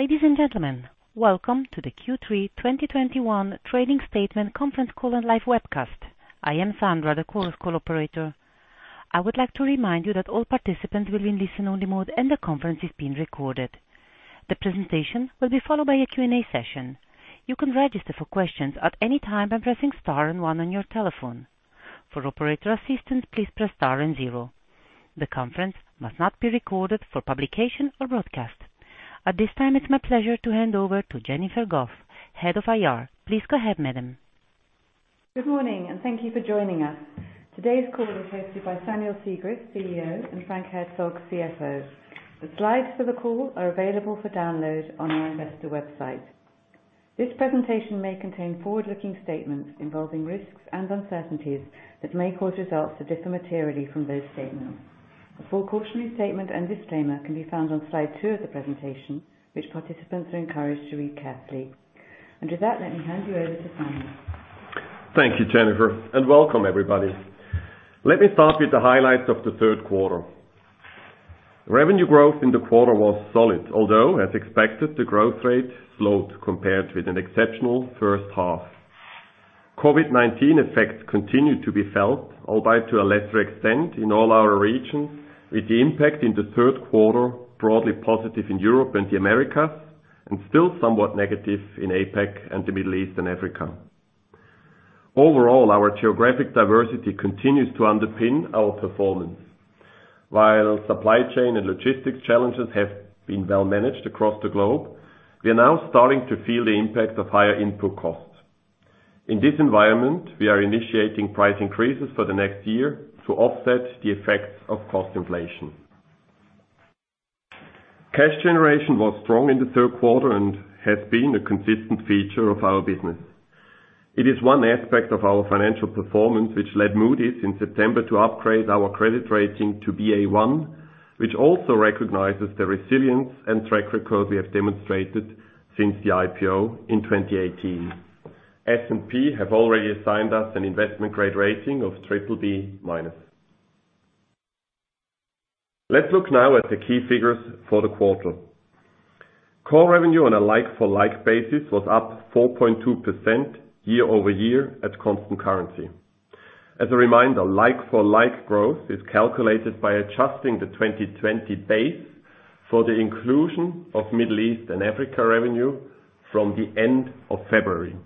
Ladies and gentlemen, welcome to the Q3 2021 trading statement conference call and live webcast. I am Sandra, the call operator. I would like to remind you that all participants will be in listen-only mode and the conference is being recorded. The presentation will be followed by a Q&A session. You can register for questions at any time by pressing star and one on your telephone. For operator assistance, please press star and zero. The conference must not be recorded for publication or broadcast. At this time, it's my pleasure to hand over to Jennifer Gough, Head of IR. Please go ahead, madam. Good morning, and thank you for joining us. Today's call is hosted by Samuel Sigrist, CEO, and Frank Herzog, CFO. The slides for the call are available for download on our investor website. This presentation may contain forward-looking statements involving risks and uncertainties that may cause results to differ materially from those statements. A full cautionary statement and disclaimer can be found on slide two of the presentation, which participants are encouraged to read carefully. With that, let me hand you over to Samuel. Thank you, Jennifer, and welcome everybody. Let me start with the highlights of the third quarter. Revenue growth in the quarter was solid, although, as expected, the growth rate slowed compared with an exceptional first half. COVID-19 effects continue to be felt, albeit to a lesser extent in all our regions, with the impact in the third quarter broadly positive in Europe and the Americas and still somewhat negative in APAC and the Middle East and Africa. Overall, our geographic diversity continues to underpin our performance. While supply chain and logistics challenges have been well managed across the globe, we are now starting to feel the impact of higher input costs. In this environment, we are initiating price increases for the next year to offset the effects of cost inflation. Cash generation was strong in the third quarter and has been a consistent feature of our business. It is one aspect of our financial performance which led Moody's in September to upgrade our credit rating to BA1, which also recognizes the resilience and track record we have demonstrated since the IPO in 2018. S&P have already assigned us an investment-grade rating of BBB-. Let's look now at the key figures for the quarter. Core revenue on a like-for-like basis was up 4.2% year-over-year at constant currency. As a reminder, like-for-like growth is calculated by adjusting the 2020 base for the inclusion of Middle East and Africa revenue from the end of February.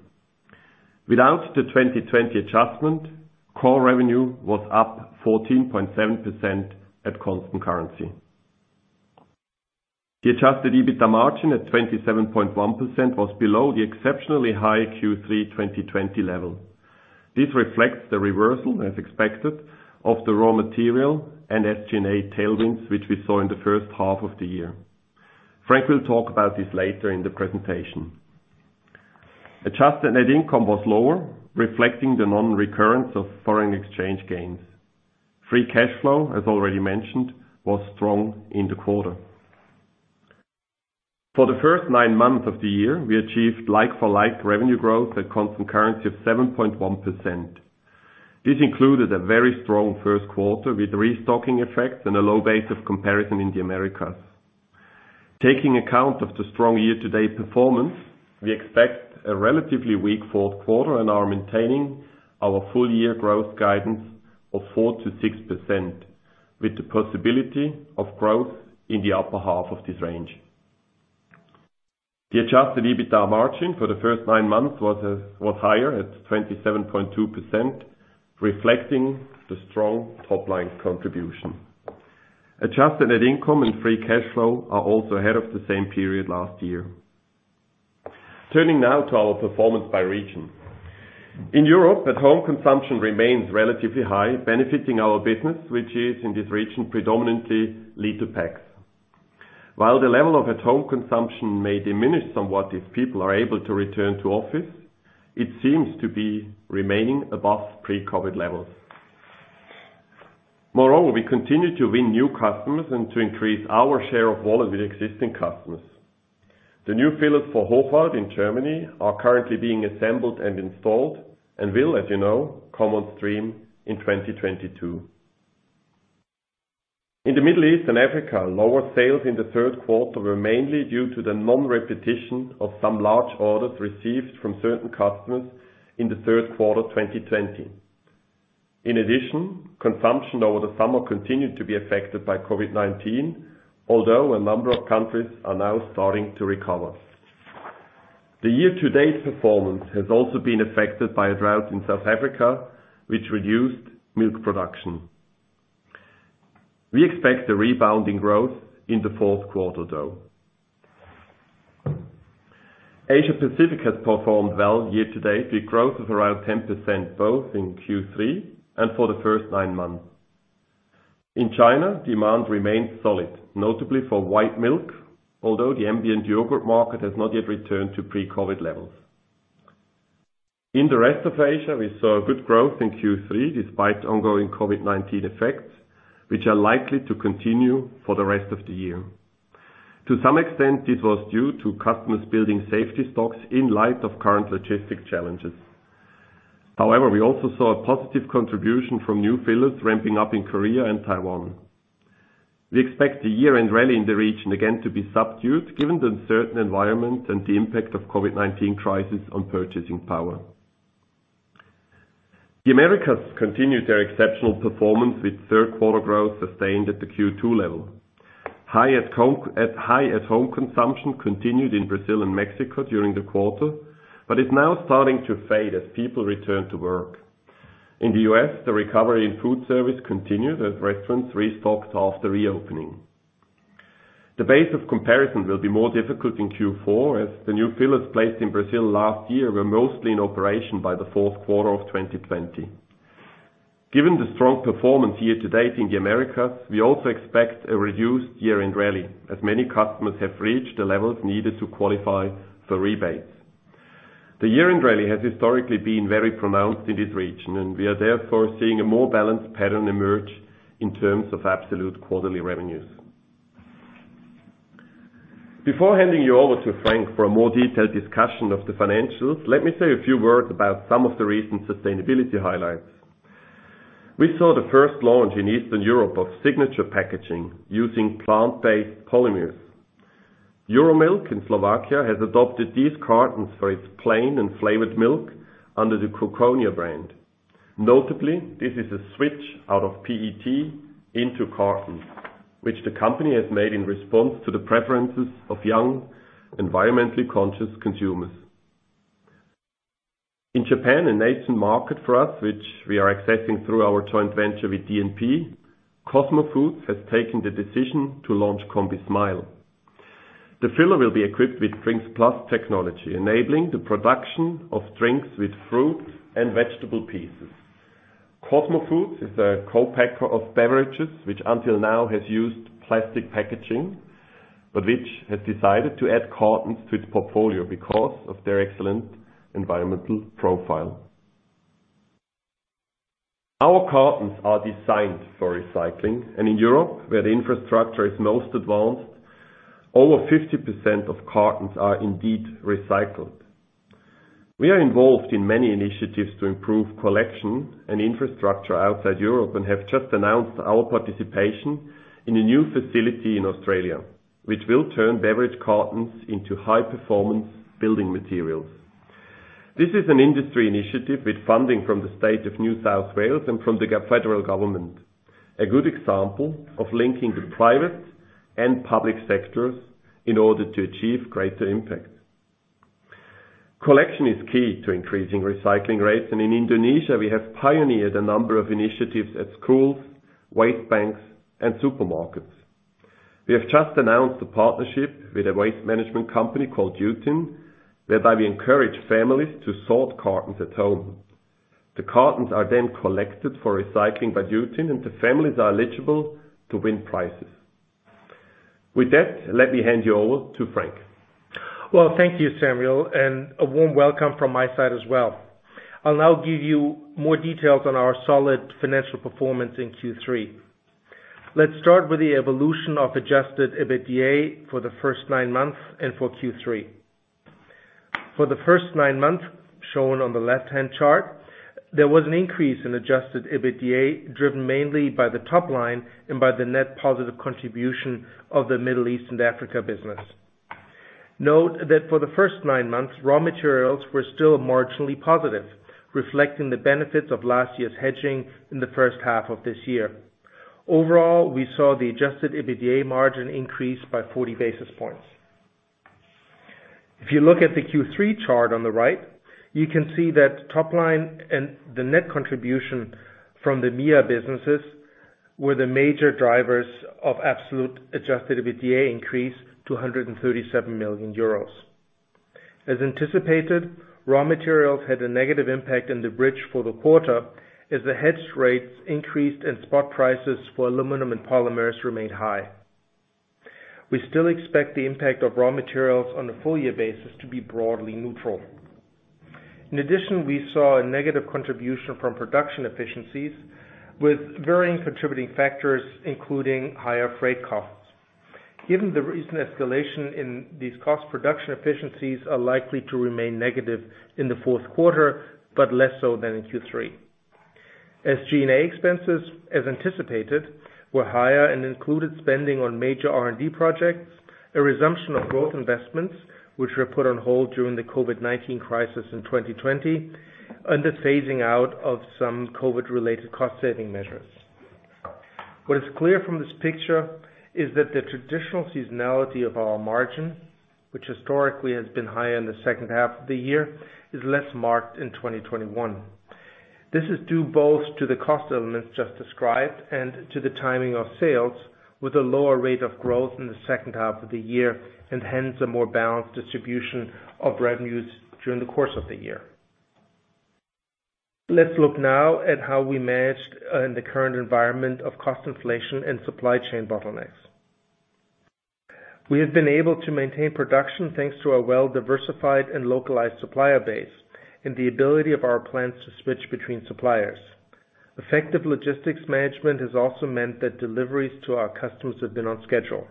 Without the 2020 adjustment, core revenue was up 14.7% at constant currency. The Adjusted EBITDA margin at 27.1% was below the exceptionally high Q3 2020 level. This reflects the reversal, as expected, of the raw material and SG&A tailwinds, which we saw in the first half of the year. Frank will talk about this later in the presentation. Adjusted net income was lower, reflecting the non-recurrence of foreign exchange gains. Free cash flow, as already mentioned, was strong in the quarter. For the first nine months of the year, we achieved like-for-like revenue growth at constant currency of 7.1%. This included a very strong first quarter with restocking effects and a low base of comparison in the Americas. Taking account of the strong year-to-date performance, we expect a relatively weak fourth quarter and are maintaining our full year growth guidance of 4%-6%, with the possibility of growth in the upper half of this range. The Adjusted EBITDA margin for the first nine months was higher at 27.2%, reflecting the strong top-line contribution. Adjusted net income and free cash flow are also ahead of the same period last year. Turning now to our performance by region. In Europe, at-home consumption remains relatively high, benefiting our business, which is in this region predominantly liter packs. While the level of at-home consumption may diminish somewhat if people are able to return to office, it seems to be remaining above pre-COVID levels. Moreover, we continue to win new customers and to increase our share of wallet with existing customers. The new fillers for Hochwald in Germany are currently being assembled and installed and will, as you know, come on stream in 2022. In the Middle East and Africa, lower sales in the third quarter were mainly due to the non-repetition of some large orders received from certain customers in the third quarter, 2020. In addition, consumption over the summer continued to be affected by COVID-19, although a number of countries are now starting to recover. The year-to-date performance has also been affected by a drought in South Africa, which reduced milk production. We expect a rebound in growth in the fourth quarter, though. Asia Pacific has performed well year to date, with growth of around 10% both in Q3 and for the first nine months. In China, demand remains solid, notably for white milk, although the ambient yogurt market has not yet returned to pre-COVID levels. In the rest of Asia, we saw good growth in Q3 despite ongoing COVID-19 effects, which are likely to continue for the rest of the year. To some extent, this was due to customers building safety stocks in light of current logistic challenges. However, we also saw a positive contribution from new fillers ramping up in Korea and Taiwan. We expect the year-end rally in the region again to be subdued, given the uncertain environment and the impact of COVID-19 crisis on purchasing power. The Americas continued their exceptional performance, with third quarter growth sustained at the Q2 level. High at-home consumption continued in Brazil and Mexico during the quarter, but is now starting to fade as people return to work. In the U.S., the recovery in food service continued as restaurants restocked after reopening. The base of comparison will be more difficult in Q4, as the new fillers placed in Brazil last year were mostly in operation by the fourth quarter of 2020. Given the strong performance year to date in the Americas, we also expect a reduced year-end rally, as many customers have reached the levels needed to qualify for rebates. The year-end rally has historically been very pronounced in this region, and we are therefore seeing a more balanced pattern emerge in terms of absolute quarterly revenues. Before handing you over to Frank for a more detailed discussion of the financials, let me say a few words about some of the recent sustainability highlights. We saw the first launch in Eastern Europe of SIGNATURE PACK packaging using plant-based polymers. Euromilk in Slovakia has adopted these cartons for its plain and flavored milk under the Kukkonia brand. Notably, this is a switch out of PET into cartons, which the company has made in response to the preferences of young, environmentally conscious consumers. In Japan, a nascent market for us, which we are accessing through our joint venture with DNP, Cosmo Foods has taken the decision to launch combismile. The filler will be equipped with drinksplus technology, enabling the production of drinks with fruit and vegetable pieces. Cosmo Foods is a co-packer of beverages, which until now has used plastic packaging, but which has decided to add cartons to its portfolio because of their excellent environmental profile. Our cartons are designed for recycling, and in Europe, where the infrastructure is most advanced, over 50% of cartons are indeed recycled. We are involved in many initiatives to improve collection and infrastructure outside Europe, and have just announced our participation in a new facility in Australia, which will turn beverage cartons into high-performance building materials. This is an industry initiative with funding from the state of New South Wales and from the federal government, a good example of linking the private and public sectors in order to achieve greater impact. Collection is key to increasing recycling rates, and in Indonesia, we have pioneered a number of initiatives at schools, waste banks, and supermarkets. We have just announced a partnership with a waste management company called Yutin, whereby we encourage families to sort cartons at home. The cartons are then collected for recycling by Yutin, and the families are eligible to win prizes. With that, let me hand you over to Frank. Well, thank you, Samuel, and a warm welcome from my side as well. I'll now give you more details on our solid financial performance in Q3. Let's start with the evolution of Adjusted EBITDA for the first nine months and for Q3. For the first nine months, shown on the left-hand chart, there was an increase in Adjusted EBITDA, driven mainly by the top line and by the net positive contribution of the Middle East and Africa business. Note that for the first nine months, raw materials were still marginally positive, reflecting the benefits of last year's hedging in the first half of this year. Overall, we saw the Adjusted EBITDA margin increase by 40 basis points. If you look at the Q3 chart on the right, you can see that top line and the net contribution from the MIA businesses were the major drivers of absolute Adjusted EBITDA increase to 137 million euros. As anticipated, raw materials had a negative impact in the bridge for the quarter as the hedge rates increased and spot prices for aluminum and polymers remained high. We still expect the impact of raw materials on a full year basis to be broadly neutral. In addition, we saw a negative contribution from production efficiencies with varying contributing factors, including higher freight costs. Given the recent escalation in these costs, production efficiencies are likely to remain negative in the fourth quarter, but less so than in Q3. G&A expenses, as anticipated, were higher and included spending on major R&D projects, a resumption of growth investments, which were put on hold during the COVID-19 crisis in 2020, and the phasing out of some COVID-related cost saving measures. What is clear from this picture is that the traditional seasonality of our margin, which historically has been higher in the second half of the year, is less marked in 2021. This is due both to the cost elements just described and to the timing of sales with a lower rate of growth in the second half of the year, and hence a more balanced distribution of revenues during the course of the year. Let's look now at how we managed in the current environment of cost inflation and supply chain bottlenecks. We have been able to maintain production thanks to our well-diversified and localized supplier base and the ability of our plants to switch between suppliers. Effective logistics management has also meant that deliveries to our customers have been on schedule.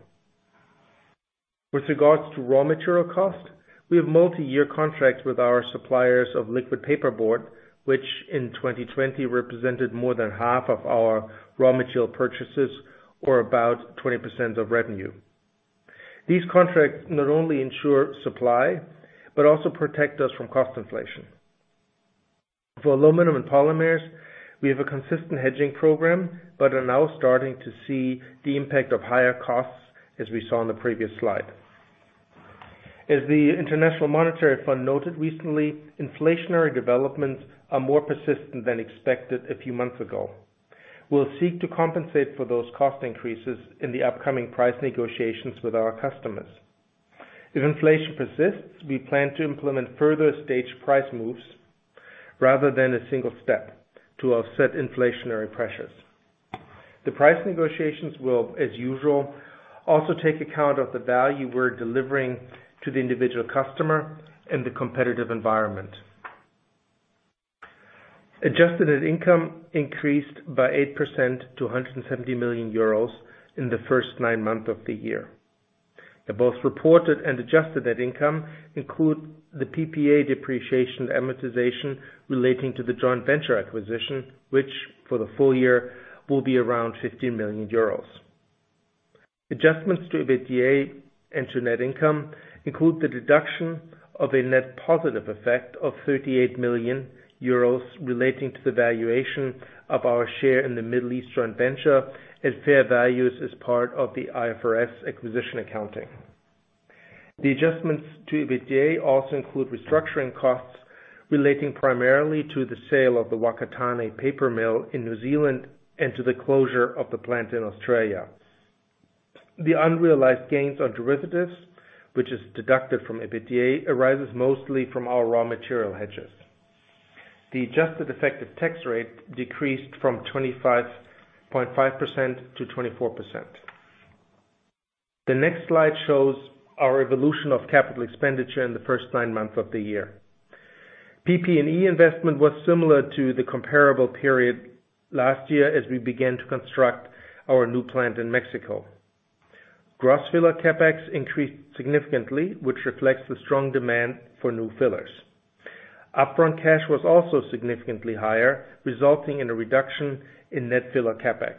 With regards to raw material cost, we have multi-year contracts with our suppliers of liquid packaging board, which in 2020 represented more than half of our raw material purchases or about 20% of revenue. These contracts not only ensure supply, but also protect us from cost inflation. For aluminum and polymers, we have a consistent hedging program, but are now starting to see the impact of higher costs, as we saw on the previous slide. As the International Monetary Fund noted recently, inflationary developments are more persistent than expected a few months ago. We'll seek to compensate for those cost increases in the upcoming price negotiations with our customers. If inflation persists, we plan to implement further staged price moves rather than a single step to offset inflationary pressures. The price negotiations will, as usual, also take account of the value we're delivering to the individual customer and the competitive environment. Adjusted net income increased by 8% to 170 million euros in the first nine months of the year. The both reported and adjusted net income include the PPA depreciation amortization relating to the joint venture acquisition, which for the full year will be around 50 million euros. Adjustments to EBITDA and to net income include the deduction of a net positive effect of 38 million euros relating to the valuation of our share in the Middle East joint venture and fair values as part of the IFRS acquisition accounting. The adjustments to EBITDA also include restructuring costs relating primarily to the sale of the Whakatane paper mill in New Zealand and to the closure of the plant in Australia. The unrealized gains on derivatives, which is deducted from EBITDA, arises mostly from our raw material hedges. The adjusted effective tax rate decreased from 25.5%-24%. The next slide shows our evolution of capital expenditure in the first nine months of the year. PP&E investment was similar to the comparable period last year as we began to construct our new plant in Mexico. Gross filler CapEx increased significantly, which reflects the strong demand for new fillers. Upfront cash was also significantly higher, resulting in a reduction in net filler CapEx.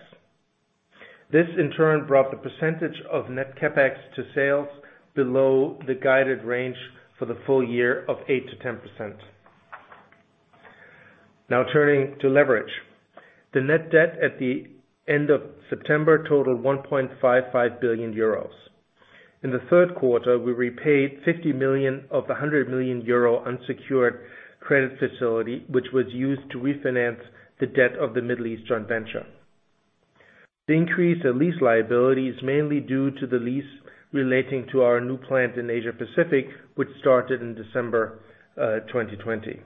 This, in turn, brought the percentage of net CapEx to sales below the guided range for the full year of 8%-10%. Now turning to leverage. The net debt at the end of September totaled 1.55 billion euros. In the third quarter, we repaid 50 million of the 100 million euro unsecured credit facility, which was used to refinance the debt of the Middle East joint venture. The increase in lease liability is mainly due to the lease relating to our new plant in Asia-Pacific, which started in December 2020.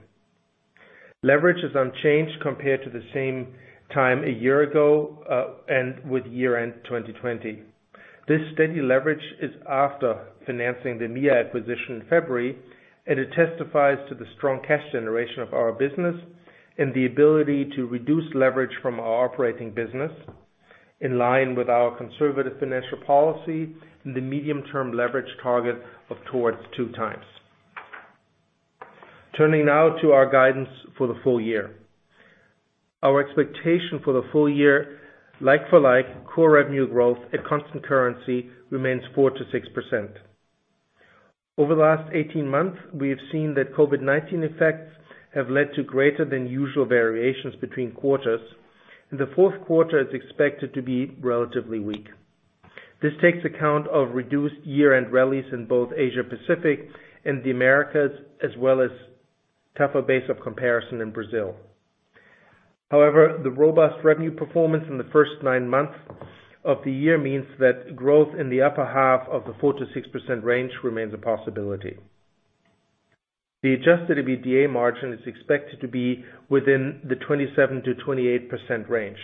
Leverage is unchanged compared to the same time a year ago, and with year-end 2020. This steady leverage is after financing the MIA acquisition in February, and it testifies to the strong cash generation of our business and the ability to reduce leverage from our operating business in line with our conservative financial policy and the medium-term leverage target of towards 2x. Turning now to our guidance for the full year. Our expectation for the full year, like-for-like core revenue growth at constant currency, remains 4%-6%. Over the last 18 months, we have seen that COVID-19 effects have led to greater than usual variations between quarters, and the fourth quarter is expected to be relatively weak. This takes account of reduced year-end rallies in both Asia-Pacific and the Americas, as well as tougher base of comparison in Brazil. However, the robust revenue performance in the first nine months of the year means that growth in the upper half of the 4%-6% range remains a possibility. The adjusted EBITDA margin is expected to be within the 27%-28% range,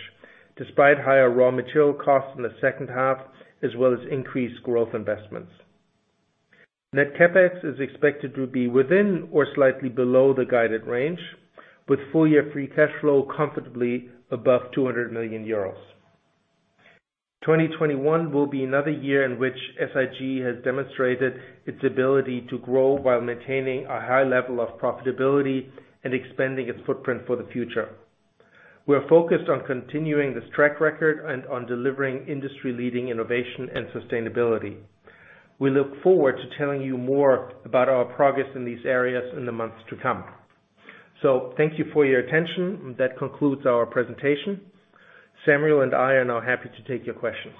despite higher raw material costs in the second half, as well as increased growth investments. Net CapEx is expected to be within or slightly below the guided range, with full-year free cash flow comfortably above 200 million euros. 2021 will be another year in which SIG has demonstrated its ability to grow while maintaining a high level of profitability and expanding its footprint for the future. We are focused on continuing this track record and on delivering industry-leading innovation and sustainability. We look forward to telling you more about our progress in these areas in the months to come. Thank you for your attention. That concludes our presentation. Samuel and I are now happy to take your questions.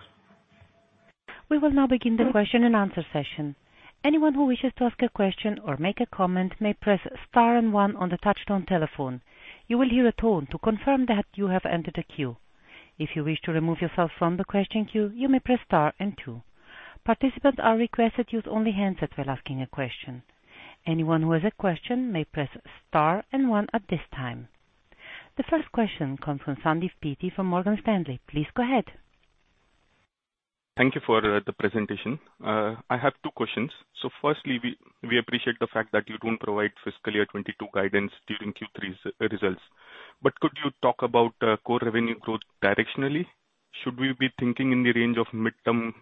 We will now begin the question and answer session. Anyone who wishes to ask a question or make a comment may press star and one on the touchtone telephone. You will hear a tone to confirm that you have entered a queue. If you wish to remove yourself from the question queue, you may press star and two. Participants are requested to use only handsets while asking a question. Anyone who has a question may press star and one at this time. The first question comes from Sandeep Deshpande from J.P. Morgan. Please go ahead. Thank you for the presentation. I have two questions. Firstly, we appreciate the fact that you don't provide fiscal year 2022 guidance during Q3's results. Could you talk about core revenue growth directionally? Should we be thinking in the range of midterm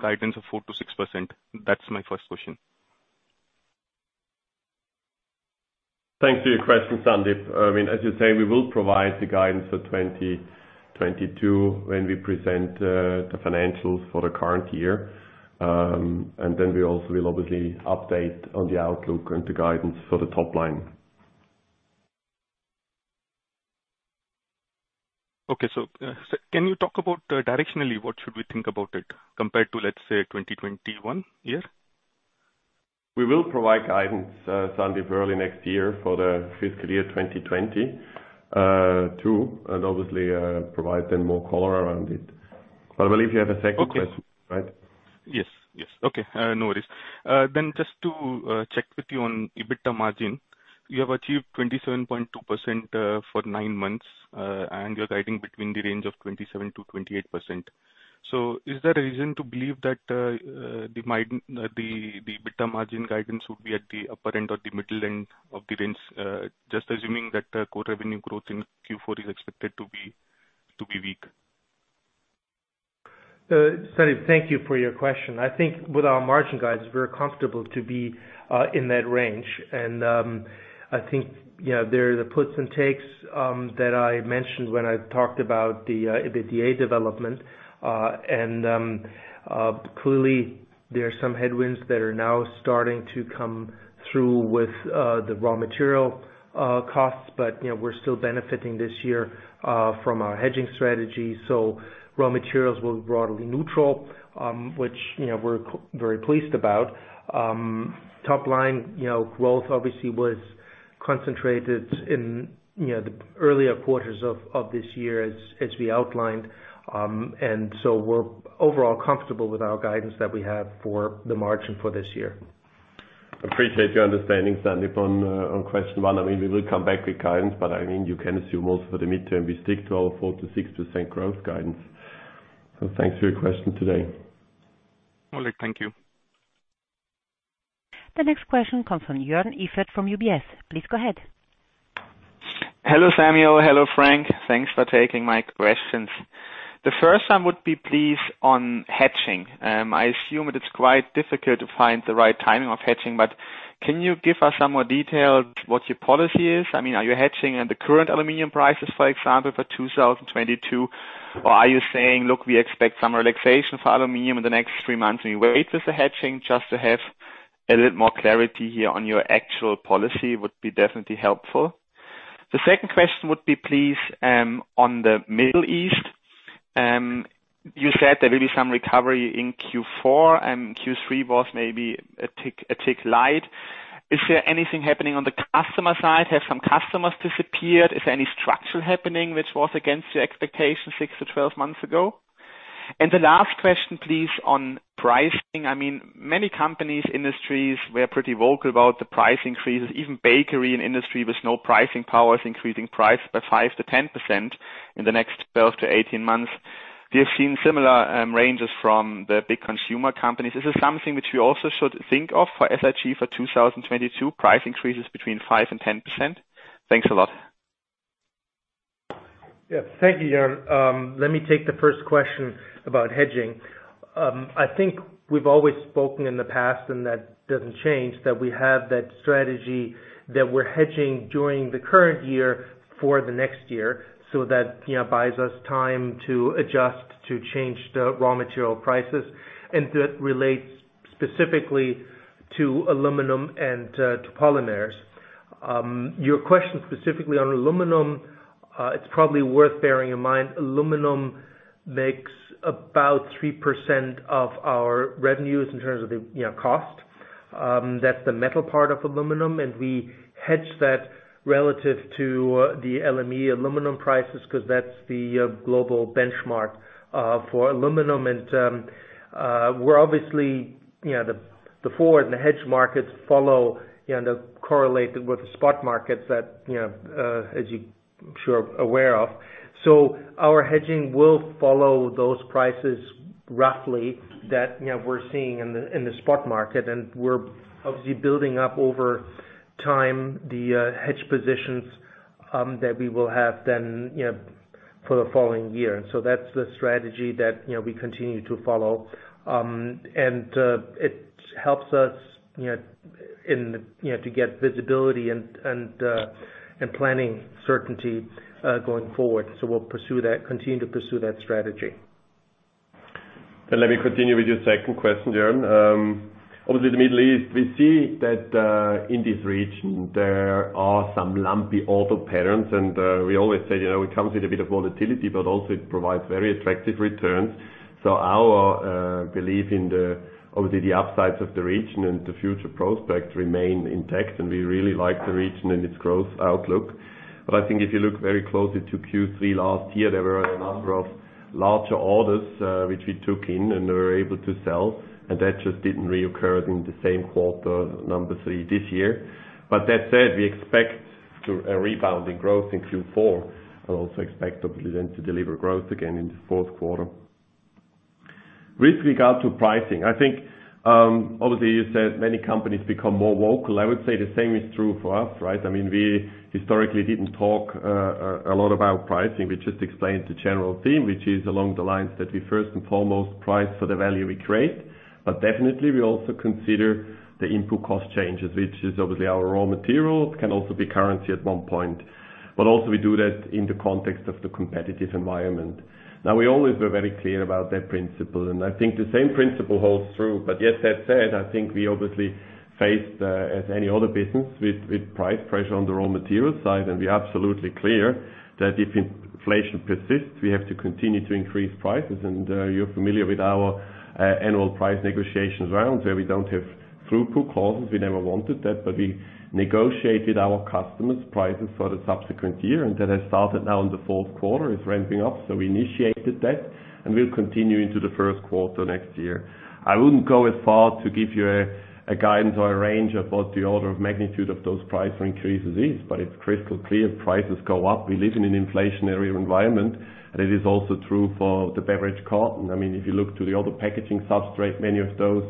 guidance of 4%-6%? That's my first question. Thanks for your question, Sandeep. I mean, as you say, we will provide the guidance for 2022 when we present the financials for the current year. We also will obviously update on the outlook and the guidance for the top line. Can you talk about, directionally, what should we think about it compared to, let's say, 2021 year? We will provide guidance, Sandeep, early next year for the fiscal year 2022, and obviously, provide then more color around it. I believe you have a second question, right? Yes. Yes. Okay. No worries. Just to check with you on EBITDA margin, you have achieved 27.2% for nine months. You're guiding between the range of 27%-28%. Is there a reason to believe that the EBITDA margin guidance will be at the upper end or the middle end of the range? Just assuming that the core revenue growth in Q4 is expected to be weak. Sandeep, thank you for your question. I think with our margin guidance, we're comfortable to be in that range. I think, you know, there are the puts and takes that I mentioned when I talked about the EBITDA development. Clearly there are some headwinds that are now starting to come through with the raw material costs, but you know, we're still benefiting this year from our hedging strategy. So raw materials will be broadly neutral, which you know, we're very pleased about. Top line you know, growth obviously was concentrated in you know, the earlier quarters of this year as we outlined. We're overall comfortable with our guidance that we have for the margin for this year. appreciate your understanding, Sandeep, on question one. I mean, we will come back with guidance, but I mean, you can assume also for the midterm we stick to our 4%-6% growth guidance. Thanks for your question today. Okay, thank you. The next question comes from Joern Iffert from UBS. Please go ahead. Hello, Samuel. Hello, Frank. Thanks for taking my questions. The first one would be please on hedging. I assume it is quite difficult to find the right timing of hedging, but can you give us some more details what your policy is? I mean, are you hedging on the current aluminum prices, for example, for 2022? Or are you saying, "Look, we expect some relaxation for aluminum in the next three months, and we wait with the hedging just to have a little more clarity here on your actual policy," would be definitely helpful. The second question would be please on the Middle East. You said there will be some recovery in Q4, and Q3 was maybe a tick light. Is there anything happening on the customer side? Have some customers disappeared? Is there any structure happening which was against your expectations 6-12 months ago? The last question, please, on pricing. I mean, many companies, industries were pretty vocal about the price increases. Even bakery and industry with no pricing power is increasing price by 5%-10% in the next 12-18 months. We have seen similar, ranges from the big consumer companies. Is this something which we also should think of for SIG for 2022, price increases between 5% and 10%? Thanks a lot. Yeah. Thank you, Joern. Let me take the first question about hedging. I think we've always spoken in the past, and that doesn't change, that we have that strategy that we're hedging during the current year for the next year, so that, you know, buys us time to adjust, to change the raw material prices, and that relates specifically to aluminum and to polymers. Your question specifically on aluminum, it's probably worth bearing in mind aluminum makes about 3% of our revenues in terms of the, you know, cost. That's the metal part of aluminum, and we hedge that relative to the LME aluminum prices 'cause that's the global benchmark for aluminum. We're obviously, you know, the forward and the hedge markets follow, you know, they're correlated with the spot markets that, you know, as you I'm sure are aware of. Our hedging will follow those prices roughly that, you know, we're seeing in the spot market, and we're obviously building up over time the hedge positions that we will have then, you know, for the following year. That's the strategy that, you know, we continue to follow. It helps us, you know, to get visibility and planning certainty going forward. We'll pursue that, continue to pursue that strategy. Let me continue with your second question, Joern. Obviously the Middle East, we see that, in this region, there are some lumpy order patterns, and, we always say, you know, it comes with a bit of volatility, but also it provides very attractive returns. Our belief in the, obviously the upsides of the region and the future prospects remain intact, and we really like the region and its growth outlook. I think if you look very closely to Q3 last year, there were a number of larger orders, which we took in and were able to sell, and that just didn't reoccur in the same quarter number three this year. That said, we expect a rebound in growth in Q4 and also expect obviously then to deliver growth again in the fourth quarter. With regard to pricing, I think, obviously you said many companies become more vocal. I would say the same is true for us, right? I mean, we historically didn't talk a lot about pricing. We just explained the general theme, which is along the lines that we first and foremost price for the value we create. Definitely we also consider the input cost changes, which is obviously our raw material. It can also be currency at one point, but also we do that in the context of the competitive environment. Now we always were very clear about that principle, and I think the same principle holds true. Yes, that said, I think we obviously faced as any other business with price pressure on the raw material side, and we are absolutely clear that if inflation persists, we have to continue to increase prices. You're familiar with our annual price negotiations around where we don't have throughput clauses. We never wanted that, but we negotiated our customers' prices for the subsequent year, and that has started now in the fourth quarter. It's ramping up. We initiated that and we'll continue into the first quarter next year. I wouldn't go as far as to give you a guide into a range of what the order of magnitude of those price increases is, but it's crystal clear prices go up. We live in an inflationary environment. It is also true for the beverage carton. I mean, if you look to the other packaging substrate, many of those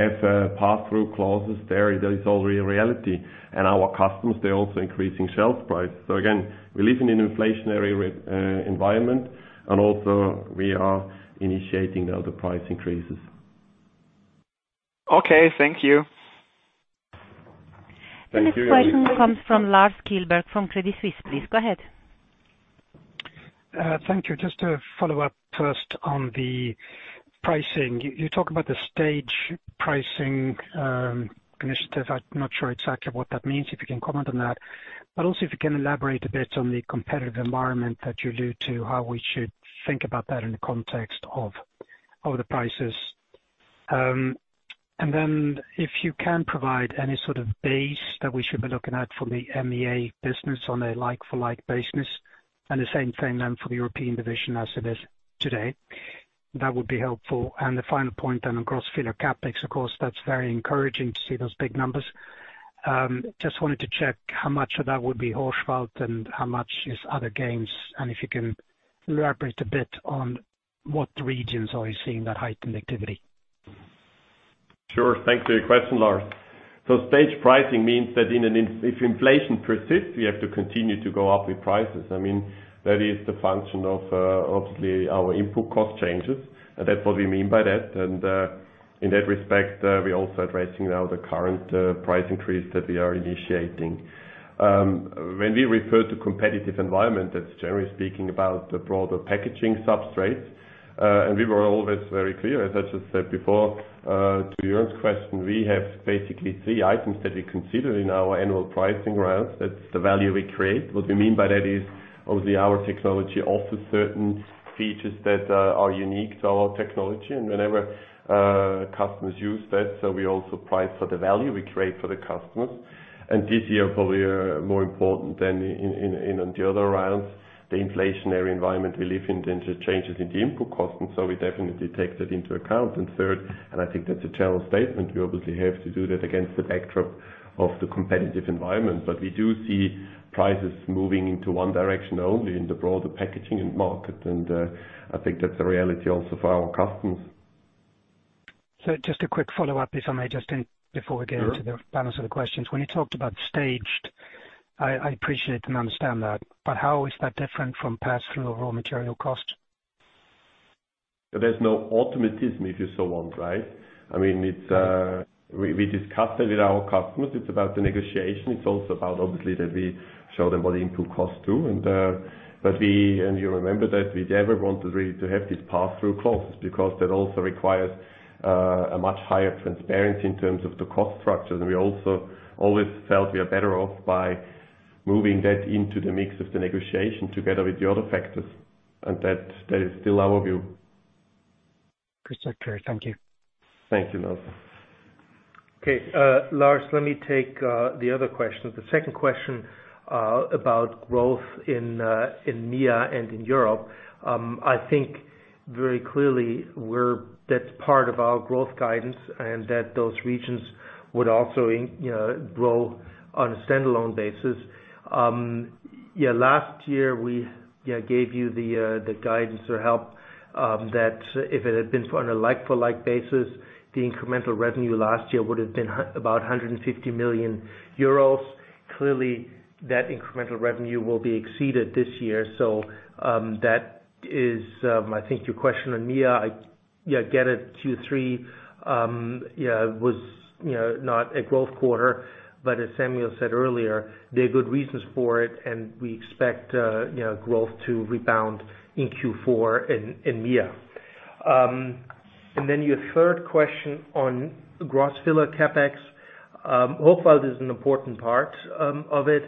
have pass through clauses there. That is all reality. Our customers, they're also increasing shelf price. Again, we live in an inflationary environment and also we are initiating the other price increases. Okay, thank you. Thank you. The next question comes from Lars Kjellberg from Credit Suisse, please. Go ahead. Thank you. Just to follow up first on the pricing. You talk about the staged pricing initiative. I'm not sure exactly what that means, if you can comment on that. But also if you can elaborate a bit on the competitive environment that you allude to, how we should think about that in the context of the prices. And then if you can provide any sort of base that we should be looking at for the MEA business on a like-for-like basis, and the same thing then for the European division as it is today. That would be helpful. The final point on Gross fill CapEx. Of course, that's very encouraging to see those big numbers. Just wanted to check how much of that would be Hochwald and how much is other gains, and if you can elaborate a bit on what regions are you seeing that heightened activity? Sure. Thanks for your question, Lars. Stage pricing means that if inflation persists, we have to continue to go up with prices. I mean, that is the function of obviously our input cost changes, and that's what we mean by that. In that respect, we're also addressing now the current price increase that we are initiating. When we refer to competitive environment, that's generally speaking about the broader packaging substrate. We were always very clear, as I just said before, to Joern's question, we have basically three items that we consider in our annual pricing rounds. That's the value we create. What we mean by that is obviously our technology offers certain features that are unique to our technology and whenever customers use that. We also price for the value we create for the customers. This year, probably, more important than in the other rounds, the inflationary environment we live in then changes in the input costs, and so we definitely take that into account. Third, and I think that's a general statement, we obviously have to do that against the backdrop of the competitive environment. We do see prices moving into one direction only in the broader packaging market. I think that's a reality also for our customers. Just a quick follow-up, if I may, Justin, before we get into the balance of the questions. When you talked about staged, I appreciate and understand that, but how is that different from pass through of raw material cost? There's no automatism, if you so want, right? I mean, we discussed it with our customers. It's about the negotiation. It's also about obviously that we show them what input costs too. But you remember that we never wanted really to have these pass-through clauses because that also requires a much higher transparency in terms of the cost structure. We also always felt we are better off by moving that into the mix of the negotiation together with the other factors. That is still our view. Great. Thank you. Thank you, Lars. Okay. Lars, let me take the other question. The second question about growth in MEA and in Europe. I think very clearly that's part of our growth guidance and that those regions would also you know grow on a standalone basis. Last year we gave you the guidance or help that if it had been on a like-for-like basis, the incremental revenue last year would have been about 150 million euros. Clearly, that incremental revenue will be exceeded this year. That is, I think your question on MEA. I get it, Q3 was you know not a growth quarter, but as Samuel said earlier, there are good reasons for it and we expect you know growth to rebound in Q4 in MEA. Your third question on Gross filler CapEx. Hopefully this is an important part of it.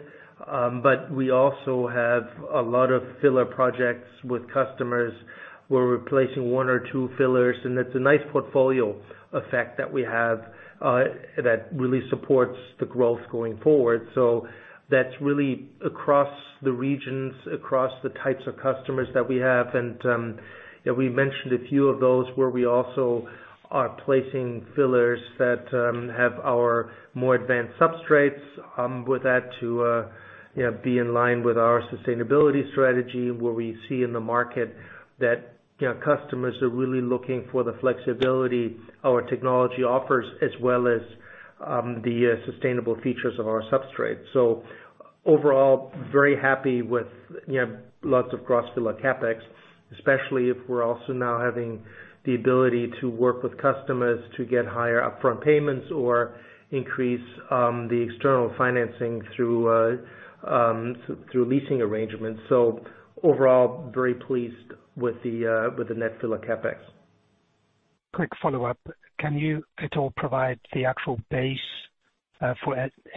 We also have a lot of filler projects with customers. We're replacing one or two fillers, and it's a nice portfolio effect that we have that really supports the growth going forward. That's really across the regions, across the types of customers that we have. Yeah, we mentioned a few of those where we also are placing fillers that have our more advanced substrates with that to you know, be in line with our sustainability strategy, where we see in the market that you know, customers are really looking for the flexibility our technology offers, as well as the sustainable features of our substrate. Overall, very happy with, you know, lots of Gross filler CapEx, especially if we're also now having the ability to work with customers to get higher upfront payments or increase the external financing through leasing arrangements. Overall, very pleased with the net fill of CapEx. Quick follow-up. Can you at all provide the actual base for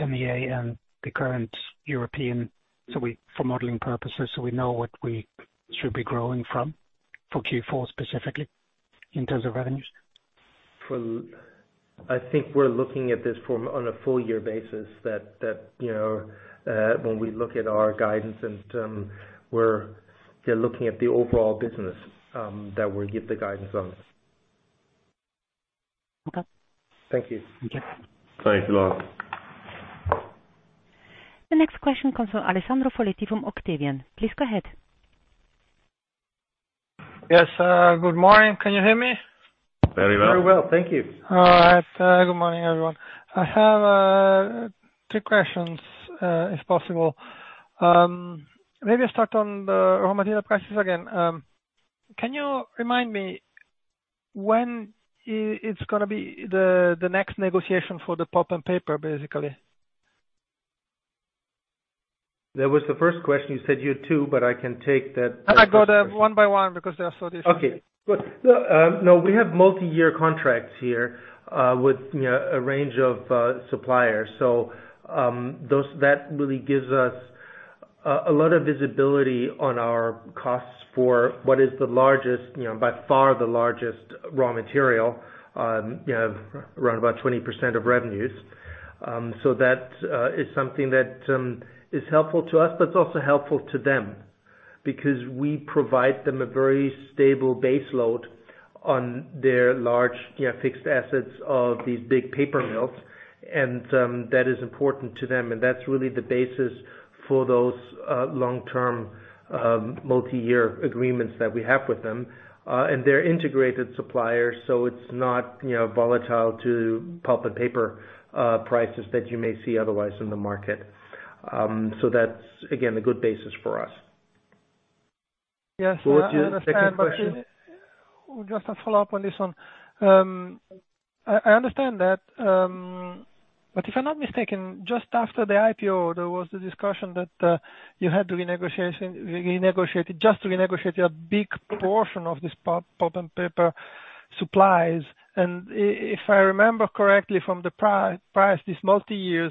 MEA and the current European for modeling purposes, so we know what we should be growing from for Q4 specifically in terms of revenues? I think we're looking at this from on a full year basis that you know when we look at our guidance and we're you know looking at the overall business that we give the guidance on. Okay. Thank you. Thank you. Thanks a lot. The next question comes from Alessandro Foletti from Octavian. Please go ahead. Yes. Good morning. Can you hear me? Very well. Very well. Thank you. All right. Good morning, everyone. I have three questions, if possible. Maybe I start on the raw material prices again. Can you remind me when it's gonna be the next negotiation for the pulp and paper, basically? That was the first question. You said you had two, but I can take that. I go through them one by one because they are sort of the same. Okay. Good. No, we have multi-year contracts here, with you know, a range of suppliers. That really gives us a lot of visibility on our costs for what is the largest, by far the largest raw material, you know, around about 20% of revenues. That is something that is helpful to us, but it's also helpful to them because we provide them a very stable base load on their large, you know, fixed assets of these big paper mills. That is important to them, and that's really the basis for those long-term multi-year agreements that we have with them. They're integrated suppliers, so it's not you know, volatile to pulp and paper prices that you may see otherwise in the market. That's again a good basis for us. Yes, I understand. What's your second question? Just a follow-up on this one. I understand that, but if I'm not mistaken, just after the IPO, there was a discussion that you just renegotiated a big portion of this pulp and paper supplies. If I remember correctly from the price, this multi-year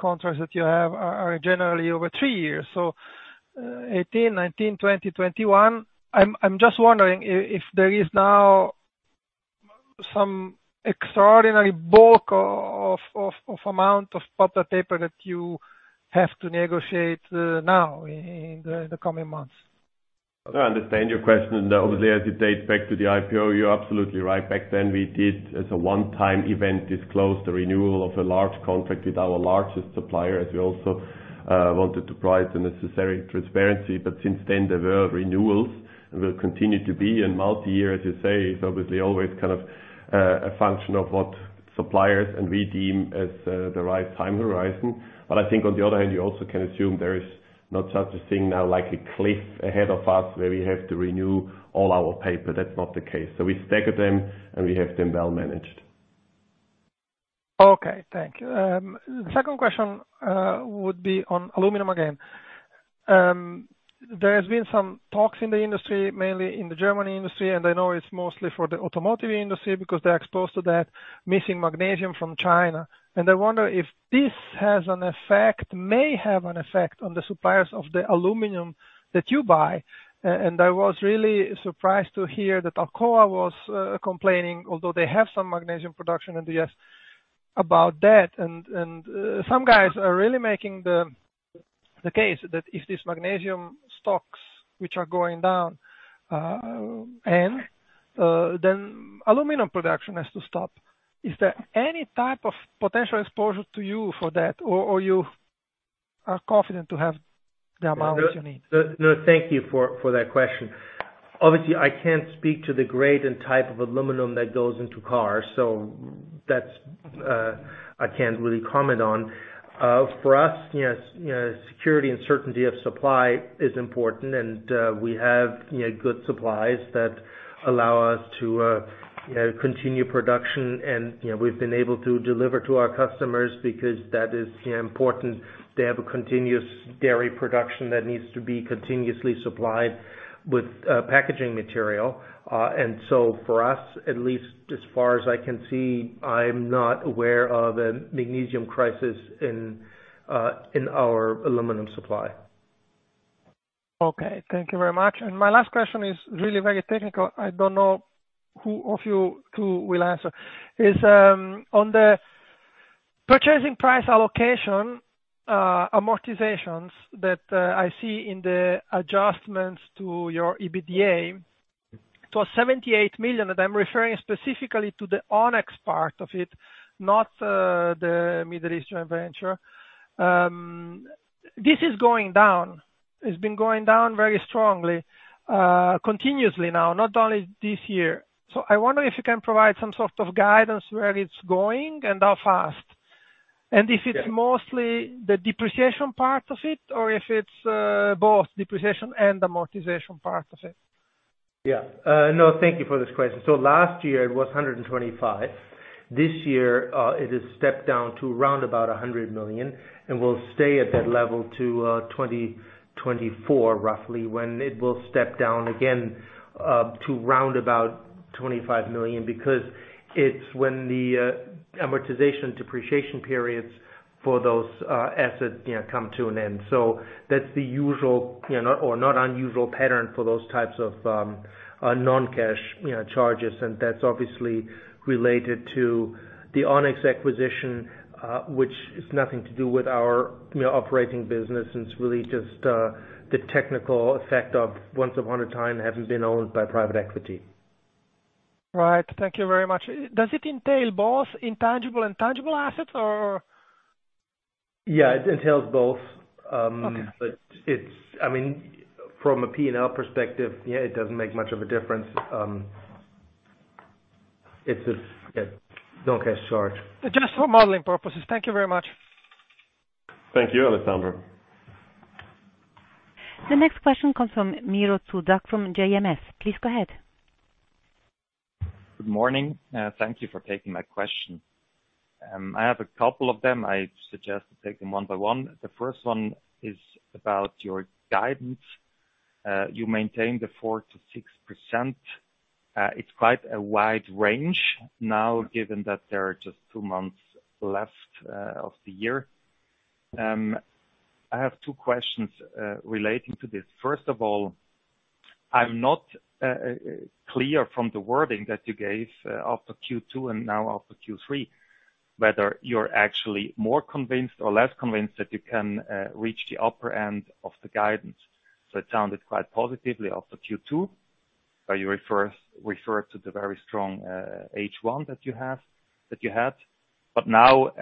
contracts that you have are generally over three years. 2018, 2019, 2020, 2021. I'm just wondering if there is now some extraordinary bulk of amount of pulp and paper that you have to negotiate now in the coming months. I understand your question, and obviously, as it dates back to the IPO, you're absolutely right. Back then, we did, as a one-time event, disclose the renewal of a large contract with our largest supplier, as we also wanted to provide the necessary transparency. Since then, there were renewals and will continue to be. Multi-year, as you say, is obviously always kind of a function of what suppliers and we deem as the right time horizon. I think on the other hand, you also can assume there is not such a thing now like a cliff ahead of us where we have to renew all our paper. That's not the case. We stagger them, and we have them well managed. Okay. Thank you. The second question would be on aluminum again. There has been some talks in the industry, mainly in the German industry, and I know it's mostly for the automotive industry because they're exposed to that missing magnesium from China. I wonder if this has an effect, may have an effect on the suppliers of the aluminum that you buy. I was really surprised to hear that Alcoa was complaining, although they have some magnesium production in the U.S. about that. Some guys are really making the case that if these magnesium stocks, which are going down, end, then aluminum production has to stop. Is there any type of potential exposure to you for that, or you are confident to have the amount that you need? No, thank you for that question. Obviously, I can't speak to the grade and type of aluminum that goes into cars, so that's, I can't really comment on. For us, you know, security and certainty of supply is important. We have, you know, good supplies that allow us to, you know, continue production. You know, we've been able to deliver to our customers because that is, you know, important. They have a continuous dairy production that needs to be continuously supplied with packaging material. For us, at least as far as I can see, I'm not aware of a magnesium crisis in our aluminum supply. Okay. Thank you very much. My last question is really very technical. I don't know who of you two will answer. It's on the purchase price allocation amortizations that I see in the adjustments to your EBITDA. It was 78 million, and I'm referring specifically to the Onex part of it, not the Middle Eastern venture. This is going down. It's been going down very strongly, continuously now, not only this year. I wonder if you can provide some sort of guidance where it's going and how fast. If it's mostly the depreciation part of it or if it's both depreciation and amortization part of it. Yeah. No, thank you for this question. Last year it was 125 million. This year, it has stepped down to around about 100 million and will stay at that level to 2024, roughly when it will step down again, to around 25 million, because it's when the amortization depreciation periods for those assets, you know, come to an end. That's the usual, you know, or not unusual pattern for those types of non-cash, you know, charges. That's obviously related to the Onex acquisition, which is nothing to do with our, you know, operating business. It's really just the technical effect of once upon a time, having been owned by private equity. Right. Thank you very much. Does it entail both intangible and tangible assets or? Yeah, it entails both. Okay. It's, I mean, from a P&L perspective, yeah, it doesn't make much of a difference. It's a, yeah, non-cash charge. Just for modeling purposes. Thank you very much. Thank you, Alessandro. The next question comes from Miro Zuzak from JMS. Please go ahead. Good morning. Thank you for taking my question. I have a couple of them. I suggest to take them one by one. The first one is about your guidance. You maintain the 4%-6%. It's quite a wide range now, given that there are just two months left of the year. I have two questions relating to this. First of all, I'm not clear from the wording that you gave after Q2 and now after Q3, whether you're actually more convinced or less convinced that you can reach the upper end of the guidance. It sounded quite positively after Q2, where you refer to the very strong H1 that you had. Now,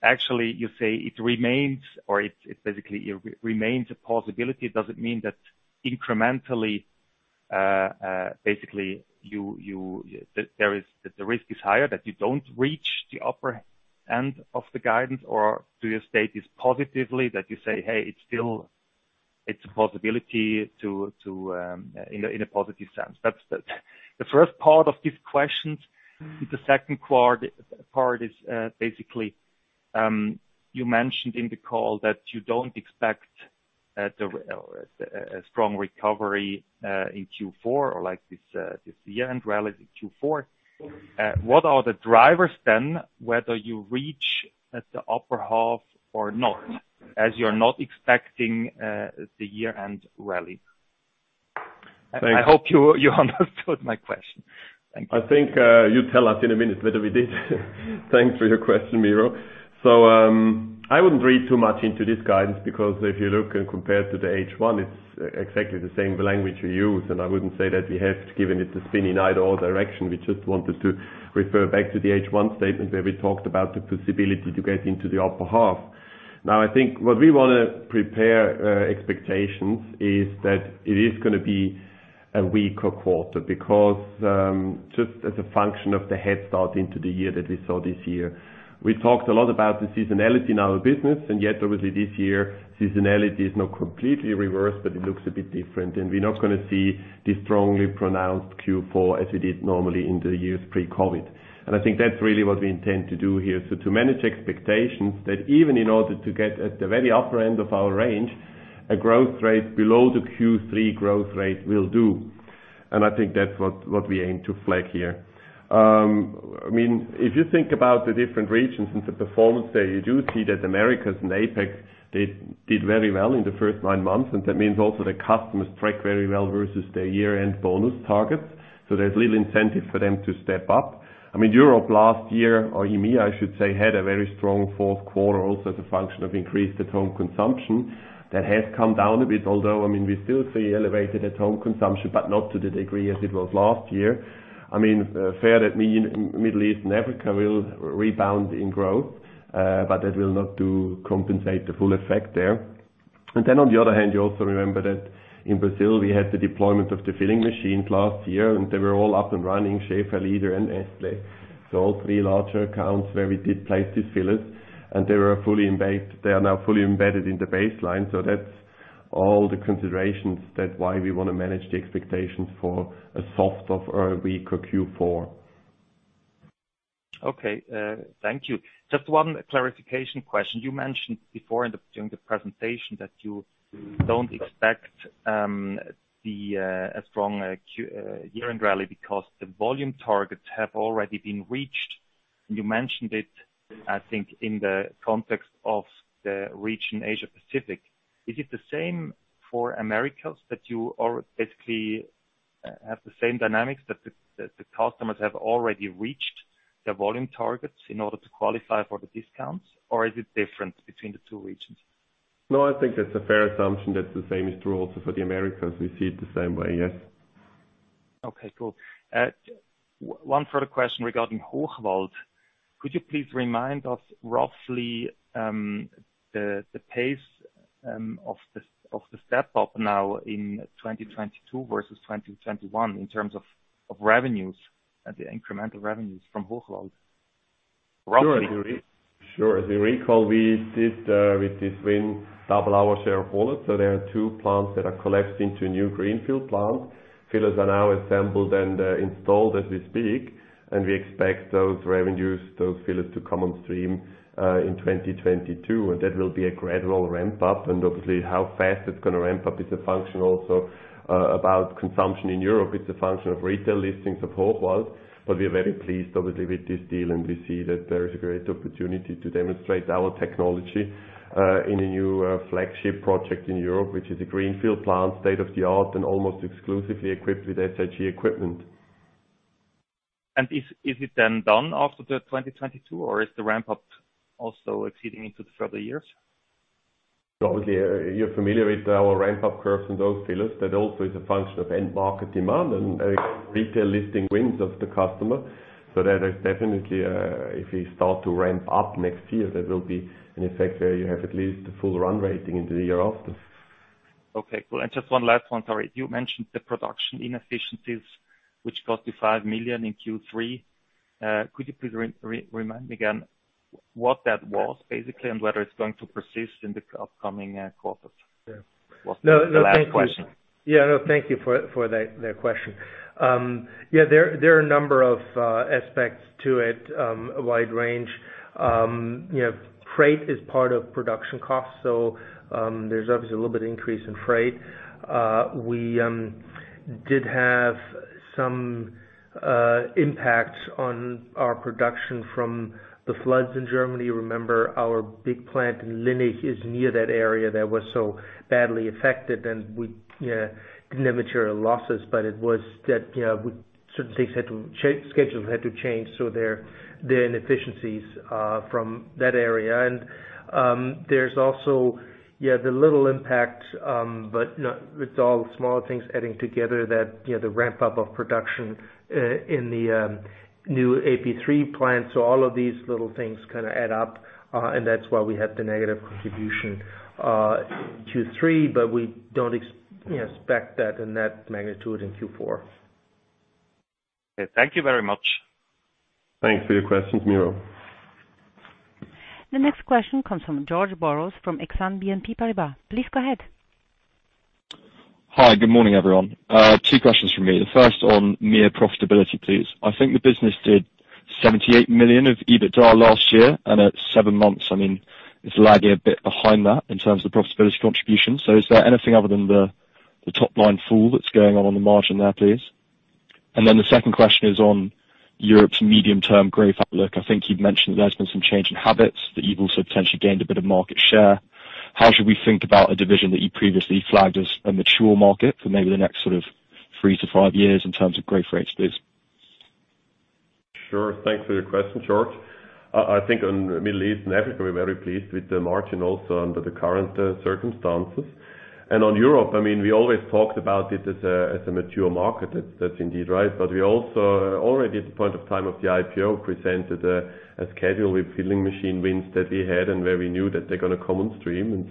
actually you say it remains or it basically it remains a possibility. Does it mean that incrementally, basically, the risk is higher, that you don't reach the upper end of the guidance, or do you state this positively that you say, "Hey, it's still, it's a possibility to in a positive sense." That's the first part of these questions. The second part is, you mentioned in the call that you don't expect a strong recovery in Q4 or like this year-end rally Q4. What are the drivers then whether you reach at the upper half or not, as you're not expecting the year-end rally? Thanks. I hope you understood my question. Thank you. I think you tell us in a minute whether we did. Thanks for your question, Miro. I wouldn't read too much into this guidance, because if you look and compare to the H1, it's exactly the same language we use. I wouldn't say that we have given it a spin in either direction. We just wanted to refer back to the H1 statement where we talked about the possibility to get into the upper half. Now, I think what we wanna prepare expectations is that it is gonna be a weaker quarter, because just as a function of the head start into the year that we saw this year. We talked a lot about the seasonality in our business, and yet obviously this year, seasonality is not completely reversed, but it looks a bit different, and we're not gonna see the strongly pronounced Q4 as we did normally in the years pre-COVID. I think that's really what we intend to do here. To manage expectations that even in order to get at the very upper end of our range, a growth rate below the Q3 growth rate will do. I think that's what we aim to flag here. I mean, if you think about the different regions and the performance there, you do see that Americas and APAC, they did very well in the first nine months, and that means also the customers track very well versus their year-end bonus targets. There's little incentive for them to step up. I mean, Europe last year, or EMEA, I should say, had a very strong fourth quarter also as a function of increased at-home consumption. That has come down a bit, although, I mean, we still see elevated at-home consumption, but not to the degree as it was last year. I mean, fair to say that Middle East and Africa will rebound in growth, but that will not compensate the full effect there. On the other hand, you also remember that in Brazil, we had the deployment of the filling machines last year, and they were all up and running, Shefa, Lider, and Nestlé. All three larger accounts where we did place these fillers, and they are now fully embedded in the baseline. That's all the considerations. That's why we wanna manage the expectations for a weaker Q4. Okay. Thank you. Just one clarification question. You mentioned before during the presentation that you don't expect a strong year-end rally because the volume targets have already been reached. You mentioned it, I think, in the context of the region Asia Pacific. Is it the same for Americas, that you basically have the same dynamics that the customers have already reached their volume targets in order to qualify for the discounts? Or is it different between the two regions? No, I think that's a fair assumption. That the same is true also for the Americas. We see it the same way, yes. Okay, cool. One further question regarding Hochwald. Could you please remind us roughly the pace of the step up now in 2022 versus 2021 in terms of revenues and the incremental revenues from Hochwald, roughly? Sure. As you recall, we did with this win double our share of Hochwald, so there are two plants that are collapsed into a new greenfield plant. Fillers are now assembled and installed as we speak, and we expect those revenues, those fillers to come on stream in 2022. That will be a gradual ramp up and obviously how fast it's gonna ramp up is a function also about consumption in Europe. It's a function of retail listings of Hochwald. We're very pleased obviously with this deal, and we see that there is a great opportunity to demonstrate our technology in a new flagship project in Europe, which is a greenfield plant, state-of-the-art, and almost exclusively equipped with SIG equipment. Is it then done after the 2022, or is the ramp up also exceeding into the further years? Obviously, you're familiar with our ramp up curves in those fillers. That also is a function of end market demand and retail listing wins of the customer. That is definitely, if we start to ramp up next year, that will be an effect where you have at least a full run-rate into the year after. Okay, cool. Just one last one. Sorry. You mentioned the production inefficiencies which cost you 5 million in Q3. Could you please remind me again what that was basically, and whether it's going to persist in the upcoming quarters? Yeah. Was the last question. Thank you for that question. Yeah, there are a number of aspects to it, a wide range. You know, freight is part of production cost, so there's obviously a little bit increase in freight. We did have some impact on our production from the floods in Germany. Remember, our big plant in Linnich is near that area that was so badly affected and we didn't have material losses, but, you know, schedules had to change, so there are inefficiencies from that area. There's also the little impact, but it's all small things adding together that, you know, the ramp up of production in the new AP3 plant. All of these little things kinda add up, and that's why we had the negative contribution, Q3, but we don't you know, expect that in that magnitude in Q4. Okay. Thank you very much. Thanks for your questions, Miro. The next question comes from George Burroughs from Exane BNP Paribas. Please go ahead. Hi. Good morning, everyone. Two questions from me. The first on EMEA profitability, please. I think the business did 78 million of EBITDA last year and at 7 months, I mean, it's lagging a bit behind that in terms of profitability contribution. Is there anything other than the top line fall that's going on on the margin there, please? The second question is on Europe's medium-term growth outlook. I think you've mentioned there's been some change in habits, that you've also potentially gained a bit of market share. How should we think about a division that you previously flagged as a mature market for maybe the next sort of three to five years in terms of growth rates, please? Sure. Thanks for your question, George. I think on Middle East and Africa, we're very pleased with the margin also under the current circumstances. On Europe, I mean, we always talked about it as a mature market. That's indeed right. We also already at the point of time of the IPO presented a schedule with filling machine wins that we had and where we knew that they're gonna come on stream.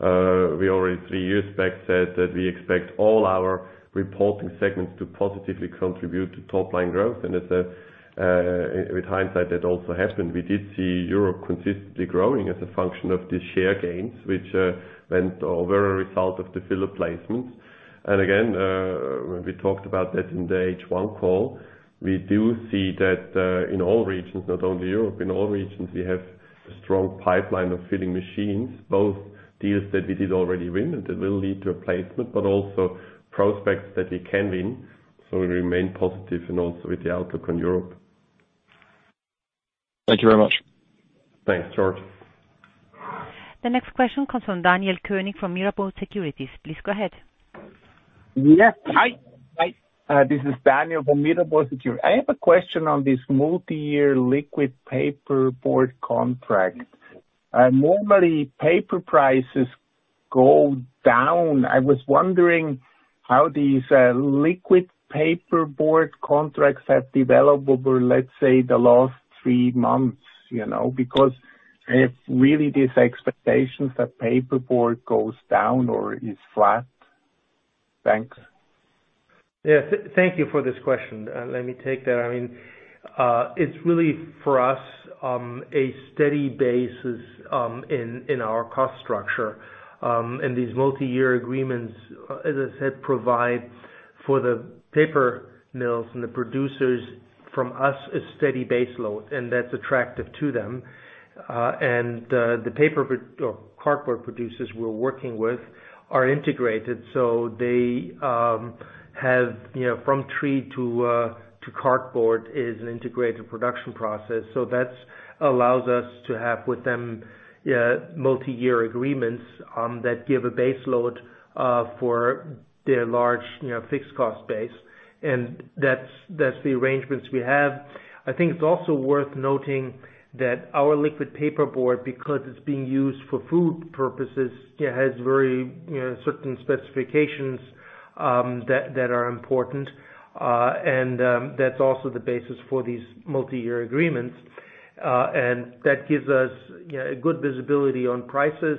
We already three years back said that we expect all our reporting segments to positively contribute to top line growth. With hindsight, that also happened. We did see Europe consistently growing as a function of the share gains, which were a result of the filler placements. Again, when we talked about that in the H1 call, we do see that, in all regions, not only Europe, we have a strong pipeline of filling machines, both deals that we did already win and that will lead to a placement, but also prospects that we can win. We remain positive and also with the outlook on Europe. Thank you very much. Thanks, George. The next question comes from Daniel Koenig from Mirabaud Securities. Please go ahead. Yes. Hi. Hi. This is Daniel Koenig from Mirabaud Securities. I have a question on this multi-year liquid packaging board contract. Normally paper prices go down. I was wondering how these liquid packaging board contracts have developed over, let's say, the last three months, you know, because if really these expectations that paperboard goes down or is flat. Thanks. Thank you for this question. Let me take that. I mean, it's really for us a steady basis in our cost structure. These multi-year agreements, as I said, provide for the paper mills and the producers for us a steady base load, and that's attractive to them. The paper or cardboard producers we're working with are integrated, so they have, you know, from tree to cardboard is an integrated production process. That allows us to have with them multi-year agreements that give a base load for their large, you know, fixed cost base. That's the arrangements we have. I think it's also worth noting that our liquid packaging board, because it's being used for food purposes, it has very, you know, certain specifications that are important. That's also the basis for these multi-year agreements. That gives us, yeah, a good visibility on prices,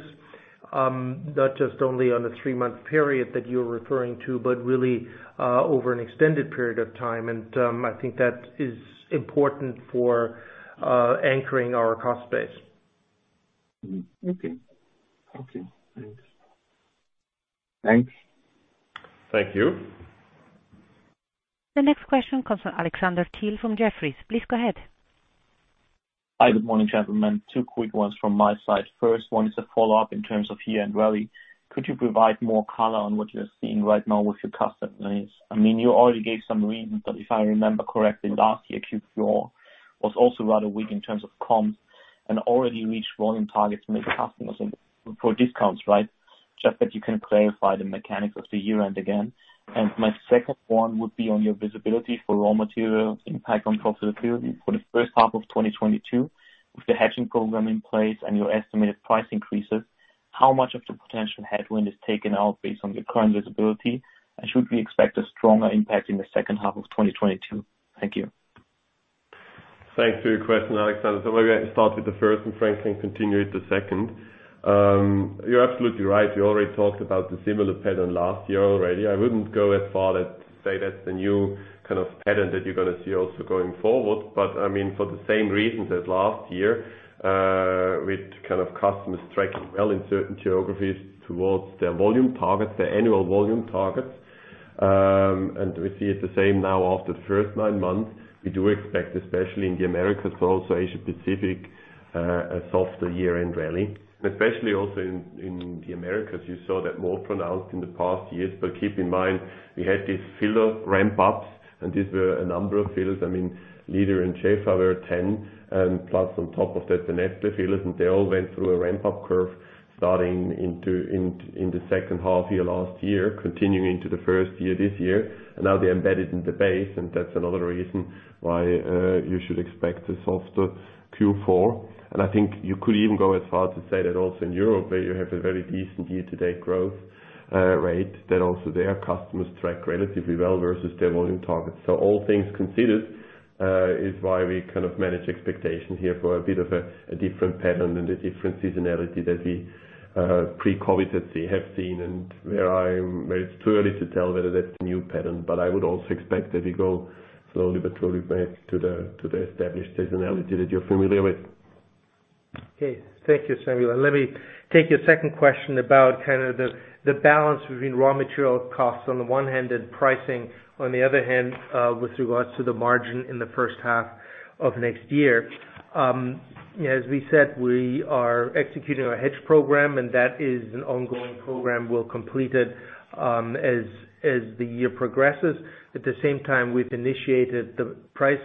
not just only on the three-month period that you're referring to, but really, over an extended period of time. I think that is important for anchoring our cost base. Okay. Thanks. Thanks. Thank you. The next question comes from Alexander Thiel from Jefferies. Please go ahead. Hi. Good morning, gentlemen. Two quick ones from my side. First one is a follow-up in terms of year-end rally. Could you provide more color on what you're seeing right now with your customers? I mean, you already gave some reasons, but if I remember correctly, last year, Q4 was also rather weak in terms of comps and already reached volume targets made customers for discounts, right? Just that you can clarify the mechanics of the year-end again. My second one would be on your visibility for raw material impact on profitability for the first half of 2022. With the hedging program in place and your estimated price increases, how much of the potential headwind is taken out based on your current visibility? And should we expect a stronger impact in the second half of 2022? Thank you. Thanks for your question, Alexander Thiel. Maybe I start with the first, and Frank Herzog can continue with the second. You're absolutely right. We already talked about the similar pattern last year already. I wouldn't go as far as to say that's the new kind of pattern that you're gonna see also going forward. I mean, for the same reasons as last year, with kind of customers tracking well in certain geographies towards their volume targets, their annual volume targets, and we see it the same now after the first nine months. We do expect, especially in the Americas, but also Asia Pacific, a softer year-end rally. Especially also in the Americas, you saw that more pronounced in the past years. Keep in mind, we had these filler ramp-ups, and these were a number of fillers. I mean, Lider and Shefa, 10+ on top of that, the Neptec fillers, and they all went through a ramp-up curve starting in the second half year last year, continuing into the first year this year. Now they're embedded in the base, and that's another reason why you should expect a softer Q4. I think you could even go as far to say that also in Europe, where you have a very decent year-to-date growth rate, that also their customers track relatively well versus their volume targets. All things considered, is why we kind of manage expectations here for a bit of a different pattern and a different seasonality that we pre-COVID that we have seen and where I'm. It's too early to tell whether that's a new pattern. I would also expect that we go slowly but surely back to the established seasonality that you're familiar with. Okay. Thank you, Samuel. Let me take your second question about kind of the balance between raw material costs on the one hand and pricing on the other hand with regards to the margin in the first half of next year. As we said, we are executing our hedge program, and that is an ongoing program. We'll complete it as the year progresses. At the same time, we've initiated the price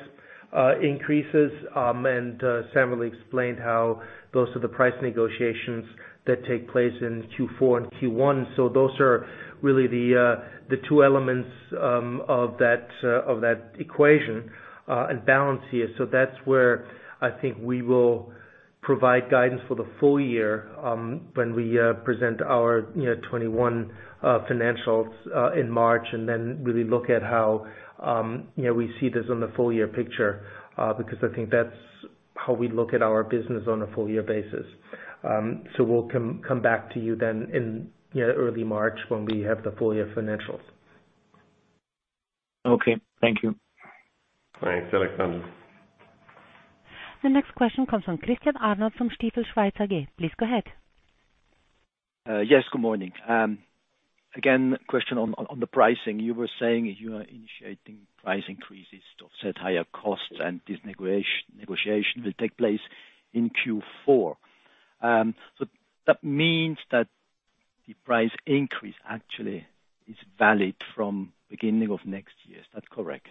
increases, and Samuel explained how those are the price negotiations that take place in Q4 and Q1. Those are really the two elements of that equation and balance here. That's where I think we will provide guidance for the full year, when we present our, you know, 2021 financials, in March, and then really look at how, you know, we see this on the full year picture, because I think that's how we look at our business on a full year basis. We'll come back to you then in, you know, early March when we have the full year financials. Okay. Thank you. Thanks, Alexander Thiel. The next question comes from Christian Arnold from Stifel Schweiz AG. Please go ahead. Yes, good morning. Again, question on the pricing. You were saying you are initiating price increases to offset higher costs, and this negotiation will take place in Q4. So that means that the price increase actually is valid from beginning of next year. Is that correct?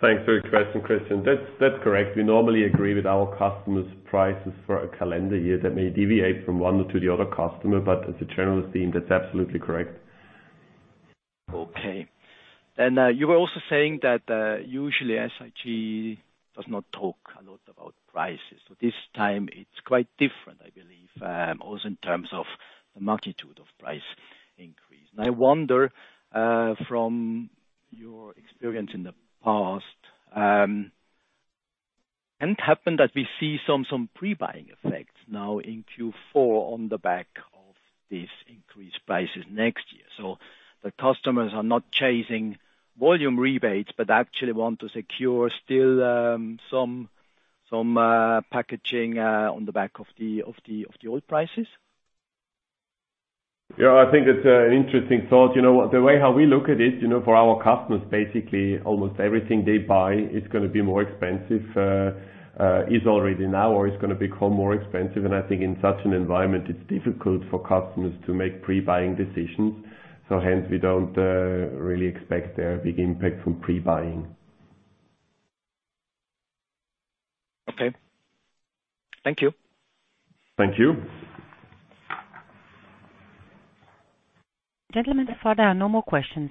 Thanks for your question, Christian. That's correct. We normally agree with our customers' prices for a calendar year. That may deviate from one to the other customer, but as a general theme, that's absolutely correct. Okay. You were also saying that usually SIG does not talk a lot about prices. This time it's quite different, I believe, also in terms of the magnitude of price increase. I wonder from your experience in the past, can it happen that we see some pre-buying effects now in Q4 on the back of these increased prices next year? The customers are not chasing volume rebates, but actually want to secure still some packaging on the back of the old prices. Yeah, I think that's an interesting thought. You know what, the way how we look at it, you know, for our customers, basically almost everything they buy is gonna be more expensive, is already now or is gonna become more expensive. I think in such an environment, it's difficult for customers to make pre-buying decisions. Hence we don't really expect a big impact from pre-buying. Okay. Thank you. Thank you. Gentlemen, so far there are no more questions.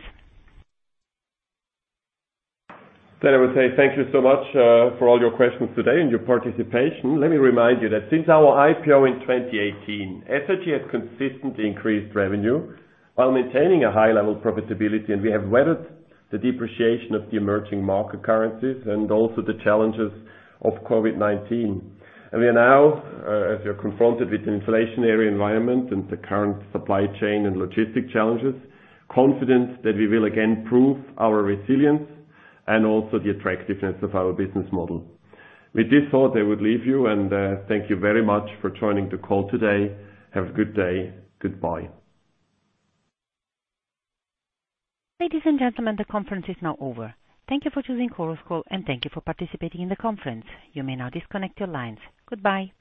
I would say thank you so much for all your questions today and your participation. Let me remind you that since our IPO in 2018, SIG has consistently increased revenue while maintaining a high level of profitability, and we have weathered the depreciation of the emerging market currencies and also the challenges of COVID-19. We are now, as we are confronted with inflationary environment and the current supply chain and logistics challenges, confident that we will again prove our resilience and also the attractiveness of our business model. With this thought, I would leave you, and thank you very much for joining the call today. Have a good day. Goodbye. Ladies and gentlemen, the conference is now over. Thank you for choosing Chorus Call, and thank you for participating in the conference. You may now disconnect your lines. Goodbye.